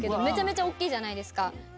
めちゃめちゃ大っきいじゃないですか。